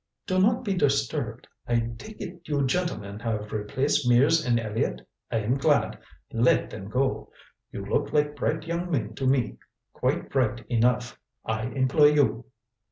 "Do not be disturbed. I take it you gentlemen have replaced Mears and Elliott. I am glad. Let them go. You look like bright young men to me quite bright enough. I employ you."